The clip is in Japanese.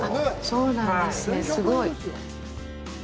そうなんですね、すごい。